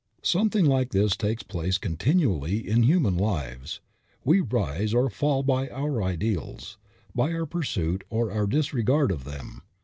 Something like this takes place continually in human lives. We rise or fall by our ideals, by our pursuit or our disregard of them.